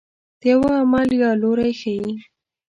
د یوه عمل یا لوری ښيي.